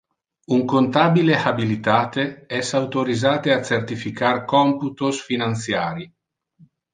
Un contabile habilitate es autorisate a certificar computos financiari.